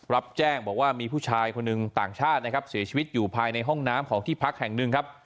รับแจ้งบอกว่ามีผู้ชายคนหนึ่งต่างชาตินะครับเสียชีวิตอยู่ภายในห้องน้ำของที่พักแห่งหนึ่งครับ